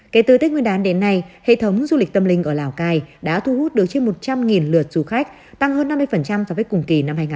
kể từ tết nguyên đán đến nay hệ thống du lịch tâm linh ở lào cai đã thu hút được trên một trăm linh lượt du khách tăng hơn năm mươi so với cùng kỳ năm hai nghìn hai mươi ba